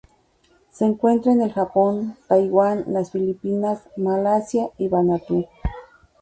Se encuentra en el Japón, Taiwán, las Filipinas, Malasia y Vanuatu.